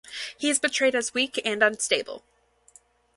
He is portrayed as weak and unstable.